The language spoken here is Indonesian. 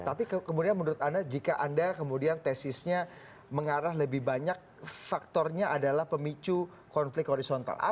tapi kemudian menurut anda jika anda kemudian tesisnya mengarah lebih banyak faktornya adalah pemicu konflik horizontal